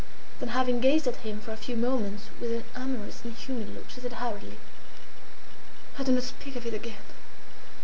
Then, having gazed at him for a few moments with an amorous and humid look, she said hurriedly "Ah! do not speak of it again!